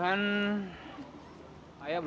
kayaknya udah abis